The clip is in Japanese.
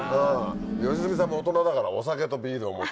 良純さんも大人だからお酒とビールを持ってって。